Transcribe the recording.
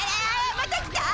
また来た！